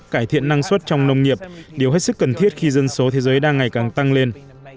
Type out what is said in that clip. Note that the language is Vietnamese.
cải thiện năng suất trong nông nghiệp điều hết sức cần thiết khi dân số thế giới đang ngày càng tăng lên